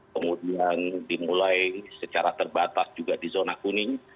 kemudian dimulai secara terbatas juga di zona kuning